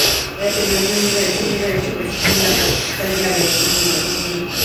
La determinación del derecho presupone la calificación de la relación jurídica.